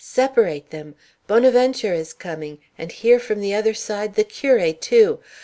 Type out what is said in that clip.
"Separate them! Bonaventure is coming! And here from the other side the curé too!